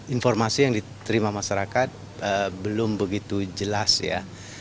informasi yang diterima masyarakat belum begitu jelas ya